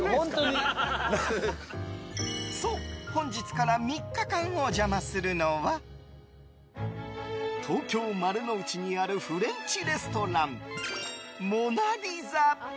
そう、本日から３日間お邪魔するのは東京・丸の内にあるフレンチレストラン、モナリザ。